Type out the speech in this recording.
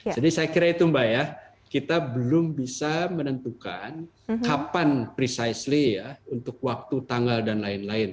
jadi saya kira itu mbak ya kita belum bisa menentukan kapan precisely ya untuk waktu tanggal dan lain lain